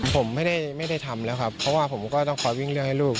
ผมไม่ได้ทำแล้วครับเพราะว่าผมก็ต้องคอยวิ่งเรื่องให้ลูก